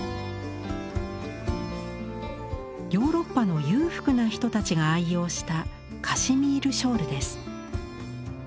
ヨーロッパの裕福な人たちが愛用したカシミールショールです。